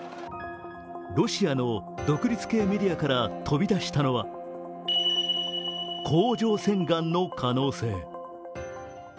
ロシアの独立系メディアから飛び出したのは甲状腺がんの可能性。